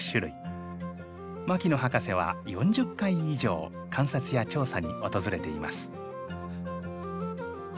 牧野博士は４０回以上観察や調査に訪れています。